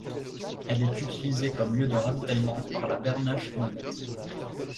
Elle est utilisée comme lieu de ravitaillement par la Bernache nonnette.